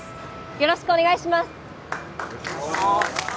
よろしくお願いします